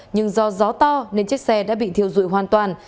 nhưng do gió to nên chiếc xe đã bị thiêu dụi hoàn toàn